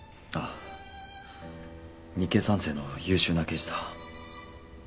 日系３世の優秀な刑事だ。